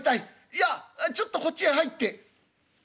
いやちょっとこっちへ入って」。